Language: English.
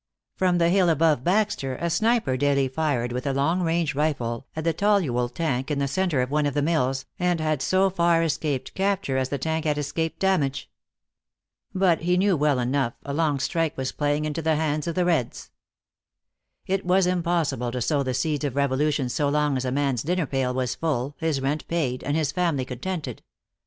From the hill above Baxter a sniper daily fired with a long range rifle at the toluol tank in the center of one of the mills, and had so far escaped capture, as the tank had escaped damage. But he knew well enough that a long strike was playing into the hands of the Reds. It was impossible to sow the seeds of revolution so long as a man's dinner pail was full, his rent paid, and his family contented.